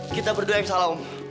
kita berdua yang salah om